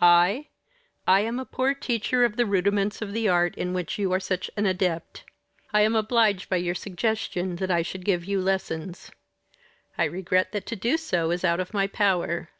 I? I am a poor teacher of the rudiments of the art in which you are such an adept. I am obliged by your suggestion that I should give you lessons. I regret that to do so is out of my power.